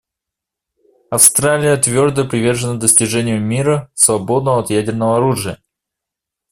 Австралия твердо привержена достижению мира, свободного от ядерного оружия.